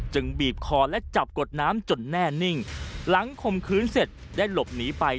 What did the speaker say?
บีบคอและจับกดน้ำจนแน่นิ่งหลังข่มขืนเสร็จได้หลบหนีไป